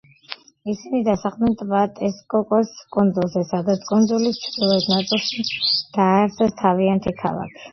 ისინი დასახლდნენ ტბა ტესკოკოს კუნძულზე, სადაც, კუნძულის ჩრდილოეთ ნაწილში, დააარსეს თავიანთი ქალაქი.